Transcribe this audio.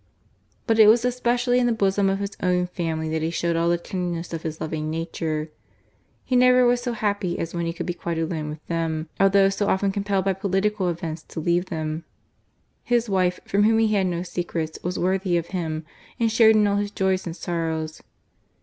But it was especially in the bosom of his own family that he showed all the tenderness of his loving nature. He never was so happy as when he could be quite alone with them, although so often compelled by political events to leave them. His wife, from whom he had no secrets, was worthy of him, and shared in all his joys and sorrows.